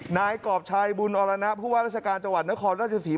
นายกรอบชัยบุญอรณะผู้ว่าราชการจังหวัดนครราชศรี